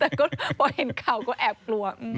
แต่ก็พอเห็นข่าวก็แอบกลัว